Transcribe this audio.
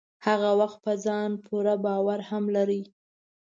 هغه وخت په ځان پوره باور هم لرئ.